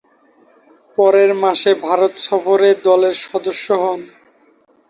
পরের মাসে ভারত সফরে দলের সদস্য হন।